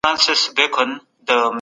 خپله سياسي پوهه لوړه کړی.